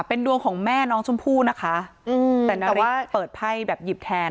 เป็นดวงของแม่น้องชมพู่นะคะอืมแต่นาริสเปิดไพ่แบบหยิบแทน